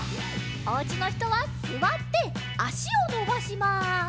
おうちのひとはすわってあしをのばします。